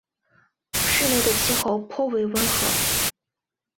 市内的气候颇为温和。